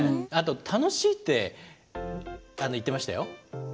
あと「楽しい」って言ってましたよ。